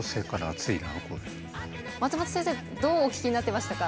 松本先生どうお聞きになってましたか？